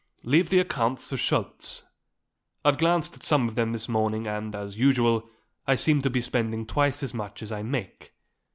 Leave the accounts for Schultz. I've glanced at some of them this morning and, as usual, I seem to be spending twice as much as I make.